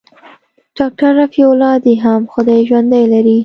ډاکتر رفيع الله دې هم خداى ژوندى لري.